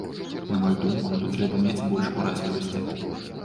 На маю думку, тут трэба мець больш уразлівасці.